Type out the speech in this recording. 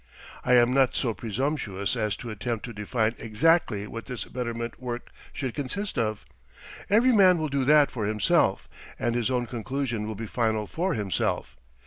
I am not so presumptuous as to attempt to define exactly what this betterment work should consist of. Every man will do that for himself, and his own conclusion will be final for himself.